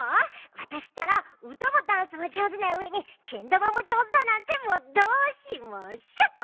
わたしったらうたもダンスも上手なうえにけん玉も上手だなんてもうどうしましょっと！